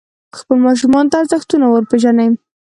خپلو ماشومانو ته ارزښتونه وروپېژنئ.